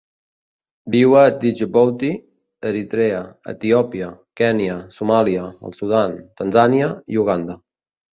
Viu a Djibouti, Eritrea, Etiòpia, Kenya, Somàlia, el Sudan, Tanzània i Uganda.